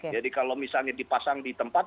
jadi kalau misalnya dipasang di tempat